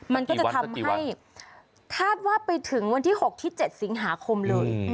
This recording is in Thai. มันก็จะทำให้คาดว่าไปถึงวันที่๖ที่๗สิงหาคมเลย